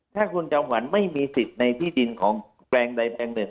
ถ้าคุณจำหวันไม่มีสิทธิ์ในที่ดินของแปลงใดแปลงหนึ่ง